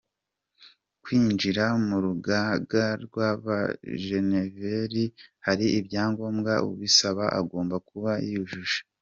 Kwinjira mu rugaga rw’abenjeniyeri, hari ibyangombwa ubisaba agomba kuba yujuje.